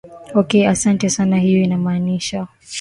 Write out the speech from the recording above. okay asanti sana hiyo inamaanisha